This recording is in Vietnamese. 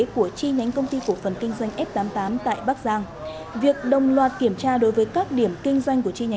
các phòng giao dịch